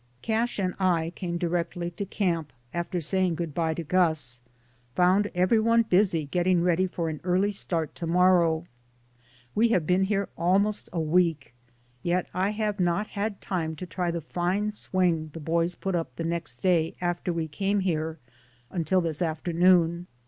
Cash and I came directly to camp, after saying good bye to Gus; found every one busy getting ready for an early start to mor row. We have been here almost a week, yet I have not had time to try the fine swing the boys put up the next day after we came here until this afternoon.